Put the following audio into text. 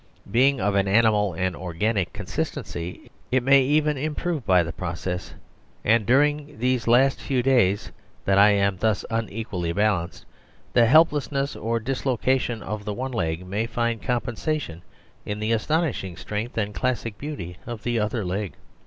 Being of an animal and organic consistency, it may even improve by the process, and during these few days that I am thus unequally balanced, the helplessness or dislocation of the one leg may find compensation in the astonishing strength and classic beauty of the other leg.